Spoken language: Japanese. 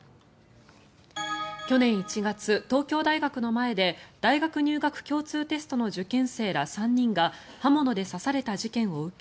去年１月、東京大学の前で大学入学共通テストの受験生ら３人が刃物で刺された事件を受け